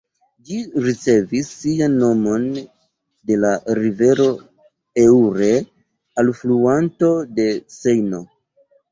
Ĝi ricevis sian nomon de la rivero Eure, alfluanto de Sejno.